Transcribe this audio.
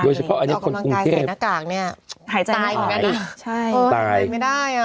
โดยเฉพาะอันนี้คนกรุงเทพเอากำลังกายใส่หน้ากากเนี้ยหายใจไม่ได้ตายใช่ตายไม่ได้อ่ะ